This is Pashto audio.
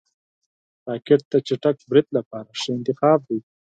راکټ د چټک برید لپاره ښه انتخاب دی